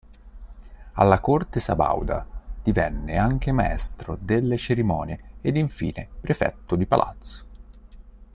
Alla corte sabauda divenne anche maestro delle cerimonie ed infine Prefetto di Palazzo.